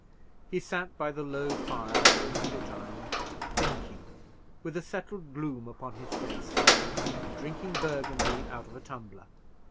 He sat by the low fire for a little time, thinking, with a settled gloom upon his face, and drinking Burgundy out of a tumbler.